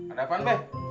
ada apaan be